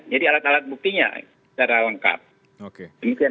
jadi alat alat buktinya secara lengkap